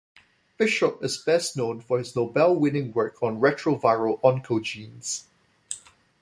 Bishop is best known for his Nobel-winning work on retroviral oncogenes.